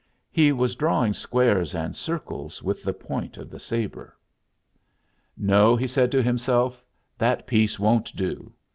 He was drawing squares and circles with the point of the sabre. "No," he said to himself, "that piece won't do.